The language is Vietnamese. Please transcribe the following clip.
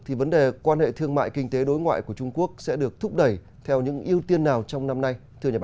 thì vấn đề quan hệ thương mại kinh tế đối ngoại của trung quốc sẽ được thúc đẩy theo những ưu tiên nào trong năm nay